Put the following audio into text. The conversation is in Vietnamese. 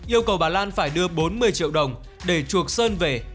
yêu cầu bà lan phải đưa bốn mươi triệu đồng để chuộc sơn về